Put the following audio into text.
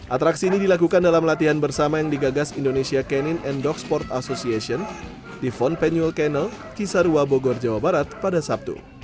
atraksi ini dilakukan dalam latihan bersama yang digagas indonesia canine and dog sport association di font penuel canal kisarua bogor jawa barat pada sabtu